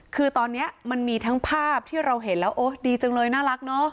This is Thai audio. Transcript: คือตอนนี้มันมีทั้งภาพที่เราเห็นแล้วโอ้ดีจังเลยน่ารักเนอะ